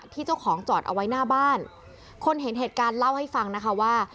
เจ้าของจอดเอาไว้หน้าบ้านคนเห็นเหตุการณ์เล่าให้ฟังนะคะว่า